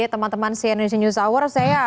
teman teman cna news hour saya